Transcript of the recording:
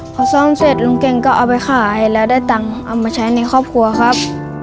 พอซ่อมเสร็จลุงเก่งก็เอาไปขายแล้วได้ตังค์เอามาใช้ในครอบครัวครับ